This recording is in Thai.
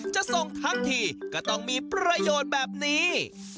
จะส่งทั้งทีก็ต้องมีประโยชน์แบบนี้